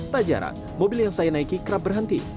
tak jarang mobil yang saya naiki kerap berhenti